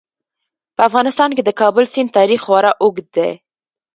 په افغانستان کې د کابل سیند تاریخ خورا اوږد دی.